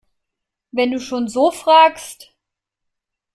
Wenn du schon so fragst!